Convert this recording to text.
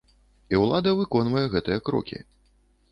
І ўлада выконвае гэтыя крокі.